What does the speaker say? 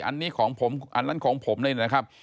อันนี้ของผมอันนั้นของผมเลยนะครับ